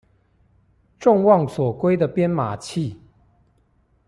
眾望所歸的編碼器